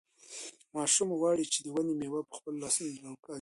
ماشوم غواړي چې د ونې مېوه په خپلو لاسونو راوکاږي.